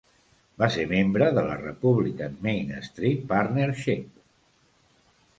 Va ser membre de la Republican Main Street Partnership.